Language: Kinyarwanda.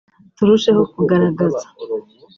“Turusheho kugaragaza